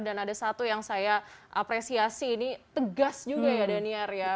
dan ada satu yang saya apresiasi ini tegas juga ya daniar ya